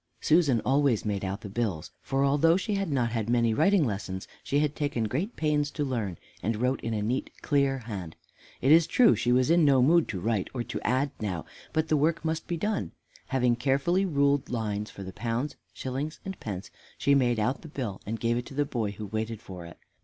Susan always made out the bills, for although she had not had many writing lessons, she had taken great pains to learn, and wrote in a neat, clear hand. It is true she was in no mood to write or add now, but the work must be done. Having carefully ruled lines for the pounds, shillings and pence, she made out the bill and gave it to the boy who waited for it.